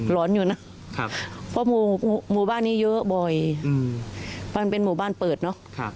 ร้อนอยู่นะเพราะหมู่บ้านนี้เยอะบ่อยมันเป็นหมู่บ้านเปิดเนอะ